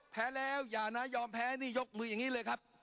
แพ้แล้วอย่านะยอมแพ้นี่ยกมืออย่างนี้เลยครับ